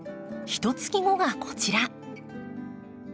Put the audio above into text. ひと月後がこちら。